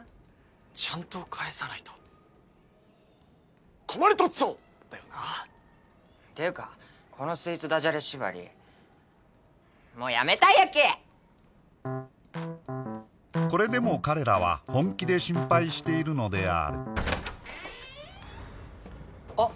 ちゃんと返さないと困りトッツォだよなっていうかこのスイーツダジャレ縛りもうやめたい焼きこれでも彼らは本気で心配しているのであるあっ